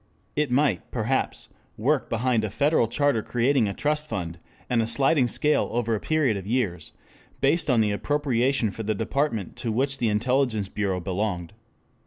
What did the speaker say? It might, perhaps, work behind a federal charter creating a trust fund, and a sliding scale over a period of years based on the appropriation for the department to which the intelligence bureau belonged.